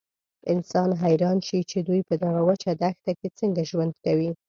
انسان حیران شي چې دوی په دغه وچه دښته کې څنګه ژوند کوي.